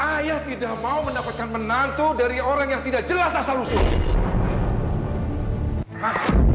ayah tidak mau mendapatkan menantu dari orang yang tidak jelasah selusuhnya